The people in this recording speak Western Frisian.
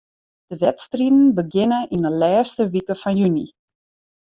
De wedstriden begjinne yn 'e lêste wike fan juny.